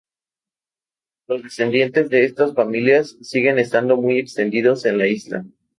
Los descendientes de estas familias siguen estando muy extendidos en la isla.